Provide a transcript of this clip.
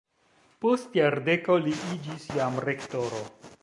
Post jardeko li iĝis jam rektoro.